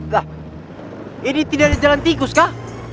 kah ini tidak ada jalan tikus kak